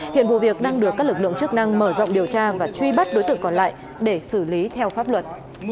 hiện vụ việc đang được các lực lượng chức năng mở rộng điều tra và truy bắt đối tượng còn lại để xử lý theo pháp luật